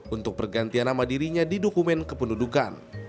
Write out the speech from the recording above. untuk pergantian nama dirinya di dokumen kependudukan